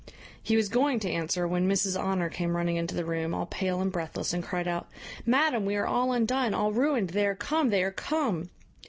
He was going to answer, when Mrs Honour came running into the room, all pale and breathless, and cried out, "Madam, we are all undone, all ruined, they are come, they are come!"